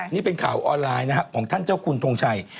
นี่เป็นข่าวออนไลน์นะครับของท่านเจ้าคุณทงชัย